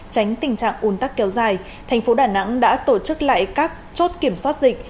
tránh tình trạng un tắc kéo dài thành phố đà nẵng đã tổ chức lại các chốt kiểm soát dịch